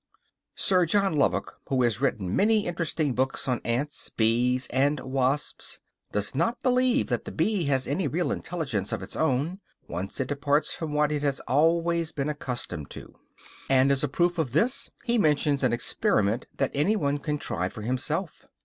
Sir John Lubbock, who has written many interesting books on ants, bees, and wasps, does not believe that the bee has any real intelligence of its own, once it departs from what it has always been accustomed to do. And as a proof of this he mentions an experiment that any one can try for himself.